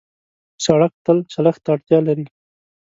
سړک تل چلښت ته اړتیا لري.